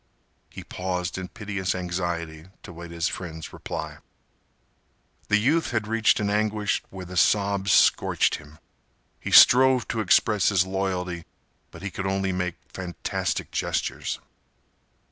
He paused in piteous anxiety to await his friend's reply. The youth had reached an anguish where the sobs scorched him. He strove to express his loyalty, but he could only make fantastic gestures.